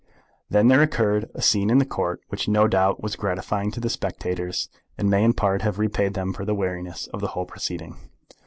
Then there occurred a scene in the Court which no doubt was gratifying to the spectators, and may in part have repaid them for the weariness of the whole proceeding.